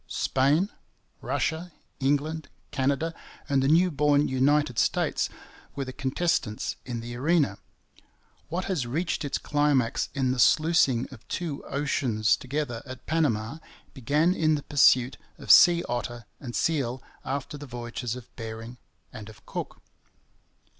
Spain, Russia, England, Canada, and the new born United States were the contestants in the arena. What has reached its climax in the sluicing of two oceans together at Panama began in the pursuit of sea otter and seal after the voyages of Bering and of Cook.